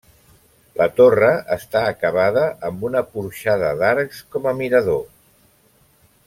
La torre està acabada amb una porxada d'arcs com a mirador.